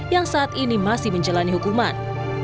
yang saat ini masih menjalani hukuman